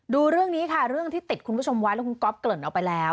ดูเรื่องนี้ค่ะเรื่องที่ติดคุณผู้ชมไว้แล้วคุณก๊อฟเกริ่นออกไปแล้ว